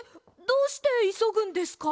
どうしていそぐんですか？